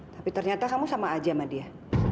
tapi ternyata kamu sama aja sama dia